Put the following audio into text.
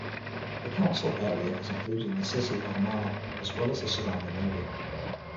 The Council area included the city of Armagh, as well as the surrounding area.